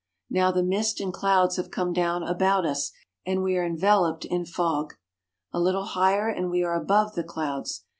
Now the mist and clouds have come down about us, and we are enveloped in fog. A little higher, and we are above the clouds.